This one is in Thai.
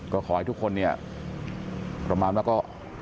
ก็ขอให้ทุกคนเนี่ยประมาณว่าก็